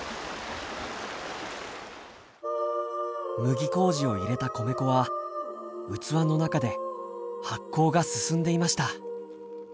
麦麹を入れた米粉は器の中で発酵が進んでいました。